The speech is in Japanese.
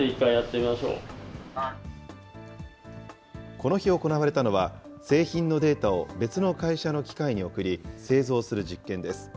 この日行われたのは、製品のデータを別の会社の機械に送り、製造する実験です。